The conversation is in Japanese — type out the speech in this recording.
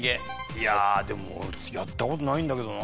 いやあでもやった事ないんだけどな。